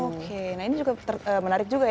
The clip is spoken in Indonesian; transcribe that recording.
oke nah ini juga menarik juga ya